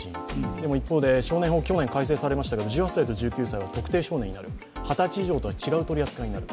でも一方で少年法が去年改正されましたけれども、１８歳と１９歳は特定少年になる、二十歳以上とは違う取り扱いになる。